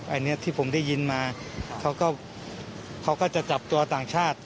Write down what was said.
อันนี้ที่ผมได้ยินมาเขาก็จะจับตัวต่างชาติ